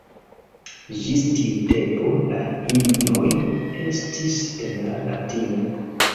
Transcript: Ĝis tiu tempo la himnoj estis en la latina.